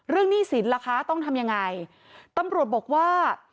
หนี้สินล่ะคะต้องทำยังไงตำรวจบอกว่า